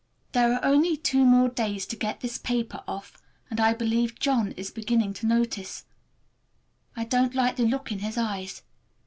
There are only two more days to get this paper off, and I believe John is beginning to notice. I don't like the look in his eyes.